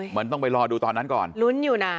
มันต้องไปรอดูตอนนั้นก่อนลุ้นอยู่นะ